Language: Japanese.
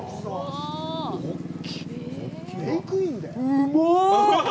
うまぁっ！